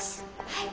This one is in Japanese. はい。